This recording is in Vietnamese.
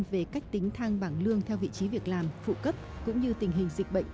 về cách tính thang bảng lương theo vị trí việc làm phụ cấp cũng như tình hình dịch bệnh